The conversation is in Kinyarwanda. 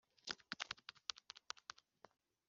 Banza ugabanye amayeri yawe